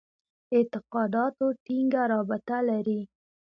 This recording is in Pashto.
اعتقاداتو ټینګه رابطه لري.